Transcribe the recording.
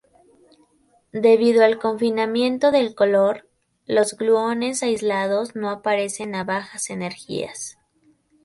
Debido al confinamiento del color, los gluones aislados no aparecen a bajas energías.